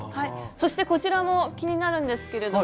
そしてこちらも気になるんですけれども。